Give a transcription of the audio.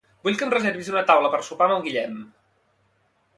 Vull que em reservis una taula per sopar amb el Guillem.